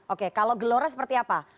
oke kalau gelora seperti apa